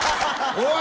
おい！